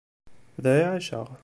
Da i ɛaceɣ.